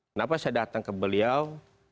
kenapa saya datang ke beliau